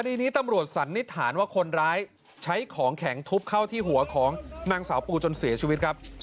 ดีนี้ตำรวจสันนิษฐานว่าคนร้ายใช้ของแข็งทุบเข้าที่หัวของนางสาวปูจนเสียชีวิตครับ